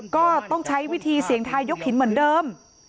ก็ต้องใช้วิธีเสียงทายยกหินเหมือนเดิม